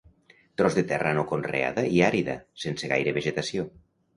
Tros de terra no conreada i àrida, sense gaire vegetació.